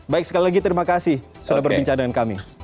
baik sekali lagi terima kasih sudah berbincang dengan kami